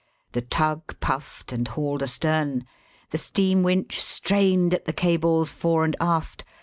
The tug puffed, and hauled astern. The steam winch strained at the cables fore and aft.